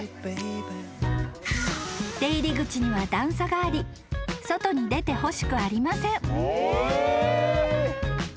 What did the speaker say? ［出入り口には段差があり外に出てほしくありません］